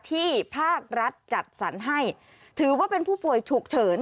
ภาครัฐจัดสรรให้ถือว่าเป็นผู้ป่วยฉุกเฉิน